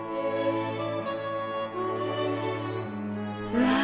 うわ！